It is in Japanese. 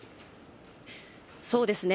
そうですね。